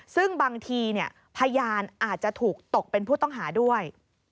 ซึ่งบางทีพยานอาจจะถูกตกเป็นผู้ต้องหาด้วย